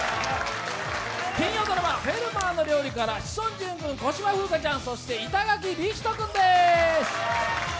金曜ドラマ「フェルマーの料理」から、志尊淳君、小芝風花ちゃん、板垣李光人君です。